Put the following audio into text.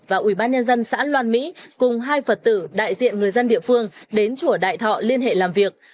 và ủy ban nhân dân xã loan mỹ cùng hai phật tử đại diện người dân địa phương đến chùa đại thọ liên hệ làm việc